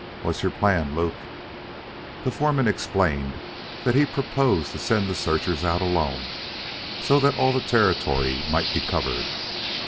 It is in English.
What's your plan, Luke?" The foreman explained that he proposed to send the searchers out alone, so that all the territory might be covered.